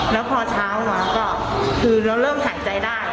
แล้วพอเช้ามาก็คือเราเริ่มหายใจได้